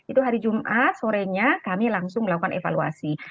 itu hari jumat sorenya kami langsung melakukan evaluasi